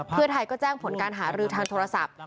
เพื่อไทยก็แจ้งผลการหารือทางโทรศัพท์